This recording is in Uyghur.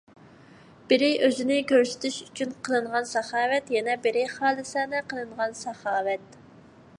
بىرى، ئۆزىنى كۆرسىتىش ئۈچۈن قىلىنغان ساخاۋەت. يەنە بىرى، خالىسانە قىلىنغان ساخاۋەت.